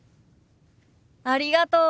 ありがとう！